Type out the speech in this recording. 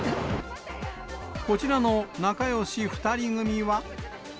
こちらの仲よし２人組は。